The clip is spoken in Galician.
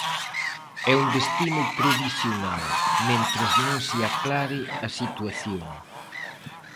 É un destino provisional, mentres non se aclare a situación.